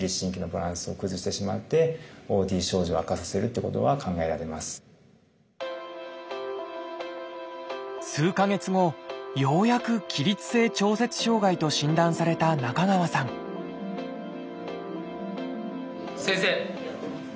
いった数か月後ようやく起立性調節障害と診断された中川さん先生！